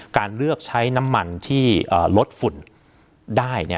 การเลือกใช้น้ำมันที่ลดฝุ่นได้